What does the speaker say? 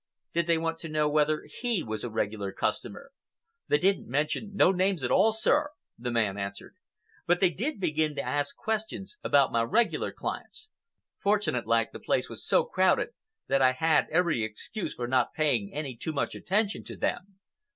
Did they want to know whether he was a regular customer?" "They didn't mention no names at all, sir," the man answered, "but they did begin to ask questions about my regular clients. Fortunate like, the place was so crowded that I had every excuse for not paying any too much attention to them.